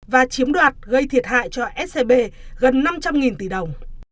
và chiếm đoạt gây thiệt hại cho scb gần năm trăm linh tỷ đồng